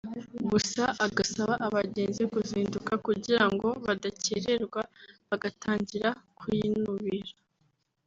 gusa agasaba abagenzi kuzinduka kugira ngo badakererwa bagatangira kuyinubira